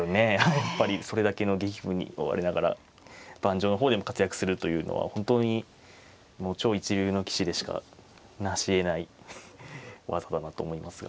やっぱりそれだけの激務に追われながら盤上の方でも活躍するというのは本当にもう超一流の棋士でしかなしえない技だなと思いますが。